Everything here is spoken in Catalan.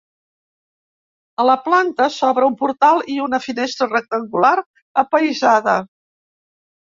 A la planta s'obre un portal i una finestra rectangular apaïsada.